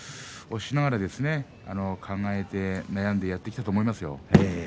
考えて悩んでやってきたと思いますよ。